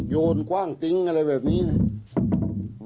โยนกว้างติ๊งอะไรแบบนี้นะ